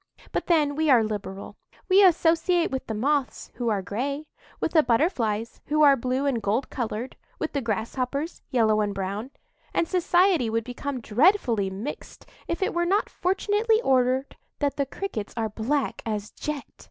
But then we are liberal;—we associate with the Moths, who are gray; with the Butterflies, who are blue and gold coloured; with the Grasshoppers, yellow and brown; and society would become dreadfully mixed if it were not fortunately ordered that the Crickets are black as jet.